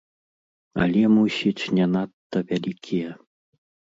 Але, мусіць, не надта вялікія.